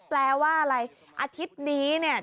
แปลว่าอะไรอาทิตย์นี้เนี่ย